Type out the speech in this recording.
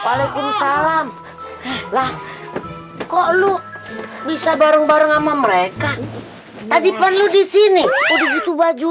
waalaikumsalam lah kok lo bisa bareng bareng sama mereka tadi perlu di sini udah gitu baju